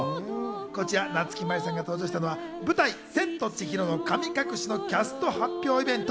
こちら夏木マリさんが登場したのは舞台『千と千尋の神隠し』のキャスト発表イベント。